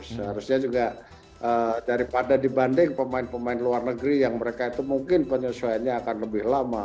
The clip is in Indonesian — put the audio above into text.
seharusnya juga daripada dibanding pemain pemain luar negeri yang mereka itu mungkin penyesuaiannya akan lebih lama